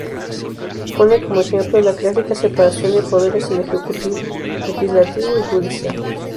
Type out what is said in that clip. Pone como ejemplo la clásica separación de poderes en Ejecutivo, Legislativo y Judicial.